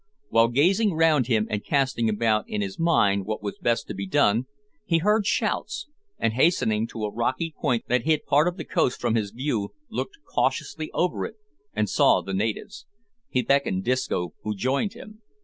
While gazing round him, and casting about in his mind what was best to be done, he heard shouts, and hastening to a rocky point that hid part of the coast from his view looked cautiously over it and saw the natives. He beckoned to Disco, who joined him.